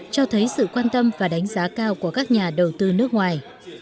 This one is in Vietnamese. cho thấy sự quan tâm và đánh giá cao của các nhà đầu tư nước ngoài